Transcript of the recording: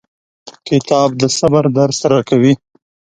کتاب د صبر درس راکوي.